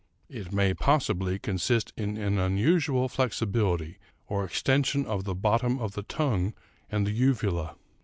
It may, possibly, consist in an unusual flexibility or extension of the bottom of the tongue and the uvula.